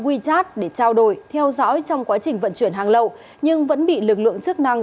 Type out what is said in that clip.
wechat để trao đổi theo dõi trong quá trình vận chuyển hàng lậu nhưng vẫn bị lực lượng chức năng